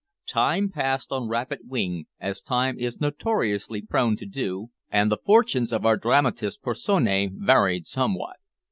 Time passed on rapid wing as time is notoriously prone to do and the fortunes of our dramatis personae varied somewhat.